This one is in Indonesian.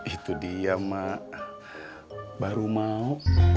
itu dia mak baru mau